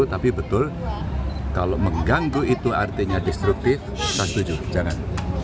tapi betul kalau mengganggu itu artinya destruktif saya setuju jangan